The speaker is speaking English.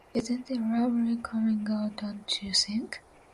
Isn’t it lovely coming out, don’t you think?